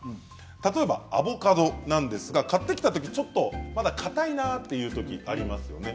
例えばアボカドなんですが買ってきたとき、ちょっとまだかたいなというときありますよね。